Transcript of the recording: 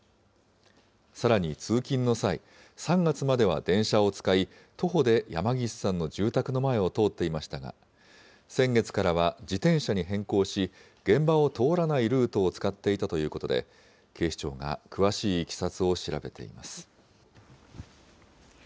さらに、通勤の際、３月までは電車を使い、徒歩で山岸さんの住宅の前を通っていましたが、先月からは自転車に変更し、現場を通らないルートを使っていたということで、警視庁が詳しいいきさつを調べています。